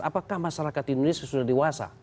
apakah masyarakat indonesia sudah dewasa